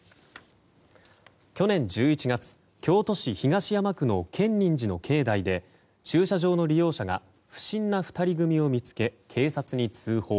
去年１１月京都市東山区の建仁寺の境内で駐車場の利用者が不審な２人組を見つけ警察に通報。